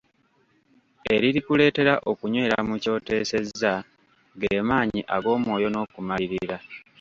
Ekirikuleetera okunywera mu ky'oteesezza, ge maanyi ag'omwoyo n'okumalirira.